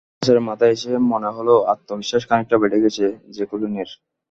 সাত বছরের মাথায় এসে মনে হলো, আত্মবিশ্বাস খানিকটা বেড়ে গেছে জ্যাকুলিনের।